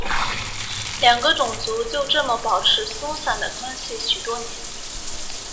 两个种族就这么保持松散的关系许多年。